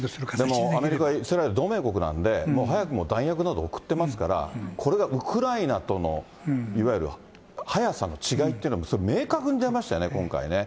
でもアメリカ、イスラエル、同盟国なんで、早くも弾薬などを送っていますから、これがウクライナとのいわゆる速さの違いというのも、明確に出ましたよね、今回ね。